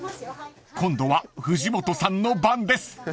［今度は藤本さんの番です］